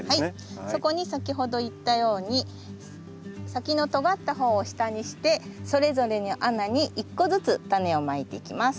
そこに先ほど言ったように先のとがった方を下にしてそれぞれの穴に１個ずつタネをまいていきます。